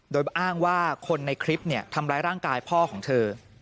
โดยอ้างว่าคนในคลิปทำร้ายร่างกายพ่อของเธอ